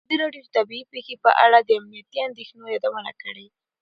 ازادي راډیو د طبیعي پېښې په اړه د امنیتي اندېښنو یادونه کړې.